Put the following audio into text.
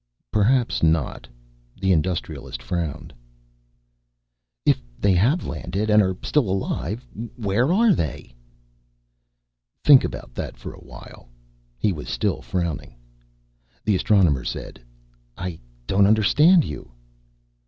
"Perhaps not." The Industrialist frowned. "If they have landed, and are still alive, where are they?" "Think about that for a while." He was still frowning. The Astronomer said, "I don't understand you."